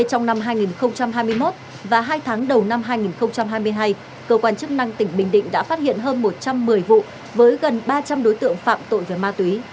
trong năm hai nghìn hai mươi một và hai tháng đầu năm hai nghìn hai mươi hai cơ quan chức năng tỉnh bình định đã phát hiện hơn một trăm một mươi vụ với gần ba trăm linh đối tượng phạm tội về ma túy